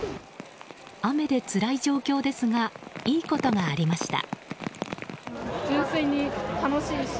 雨でつらい状況ですがいいことがありました。